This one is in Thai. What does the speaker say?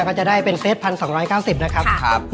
ก็จะได้เป็นเฟส๑๒๙๐นะครับ